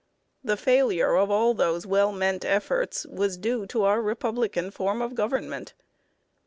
The failure of all those well meant efforts was due to our republican form of Government.